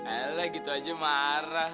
alah gitu aja marah